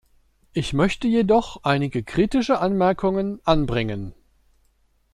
Ich möchte jedoch einige kritische Anmerkungen anbringen.